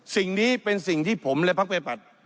สิ่งนี้เป็นสิ่งที่ผมและพักประชาปัตย์